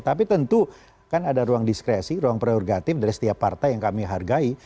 tapi tentu kan ada ruang diskresi ruang prerogatif dari setiap partai yang kami hargai